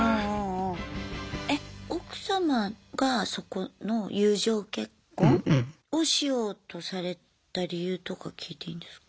え奥様がそこの友情結婚をしようとされた理由とか聞いていいんですか？